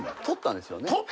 取ったんですよね。